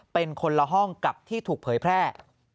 เป็นคนละห้องกับที่ถูกเผยแพร่